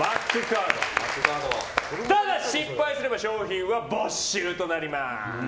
ただし、失敗すれば賞品は没収となります。